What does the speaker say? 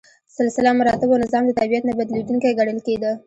سلسله مراتبو نظام د طبیعت نه بدلیدونکی ګڼل کېده.